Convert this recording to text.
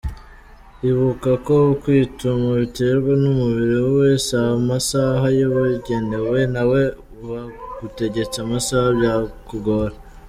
Ibuka ko kwituma biterwa n’umubiri we, si amasaha yabugenewe nawe bagutegetse amasaha byakugora !.